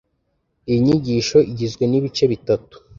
Iyi nyigisho igizwe n'ibice bitatu.